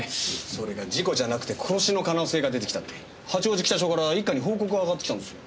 それが事故じゃなくて殺しの可能性が出てきたって八王子北署から一課に報告が上がってきたんですよ。